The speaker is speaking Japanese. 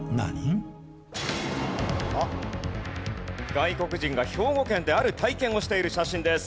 外国人が兵庫県である体験をしている写真です。